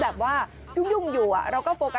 แบบว่ายุ่งยุ่งอยู่อ่ะเราก็โฟกัส